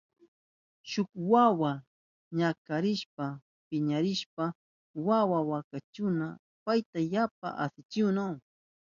Shuk wawa ñakarishpa rimashpan wawa masinkuna payta yapa asichinahun.